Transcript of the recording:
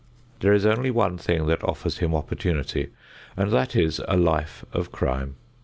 There is only one thing that offers him opportunity and that is a life of crime.